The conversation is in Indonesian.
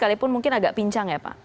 sekalipun mungkin agak pincang ya pak